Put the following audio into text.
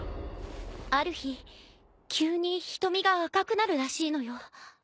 ある日急に瞳が赤くなるらしいのよ。